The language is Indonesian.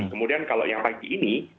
kemudian kalau yang pagi ini